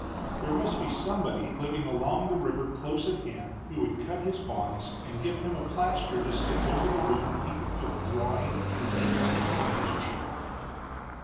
There must be somebody living along the river close at hand who would cut his bonds and give him a plaster to stick over the wound he could feel drawing and gaping in his cheek.